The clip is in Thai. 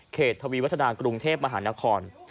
ทวีวัฒนากรุงเทพมหานคร